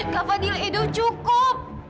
kak fadil edo cukup